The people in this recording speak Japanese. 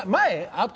あと？